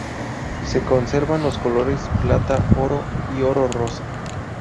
Se conservan los colores plata, oro y oro rosa.